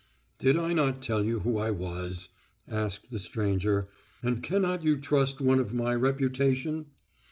"Did I not tell you who I was?" asked the stranger, "and cannot you trust one of my reputation?